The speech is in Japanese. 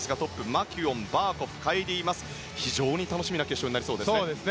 マキュオン、バーコフカイリー・マス非常に楽しみな決勝になりそうです。